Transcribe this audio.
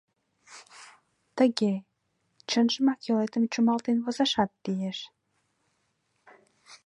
Тыге, чынжымак, йолетым чумалтен возашат лиеш.